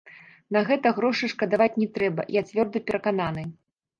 На гэта грошай шкадаваць не трэба, я цвёрда перакананы.